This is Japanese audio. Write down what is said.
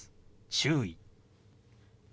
「注意」。